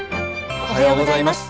おはようございます。